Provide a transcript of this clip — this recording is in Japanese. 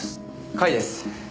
甲斐です。